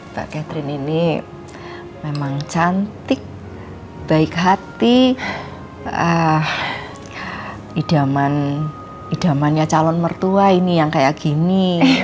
mbak catherine ini memang cantik baik hati idamannya calon mertua ini yang kayak gini